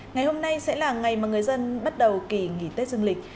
ngày hôm nay sẽ là ngày mà người dân bắt đầu kỳ nghỉ tết dương lịch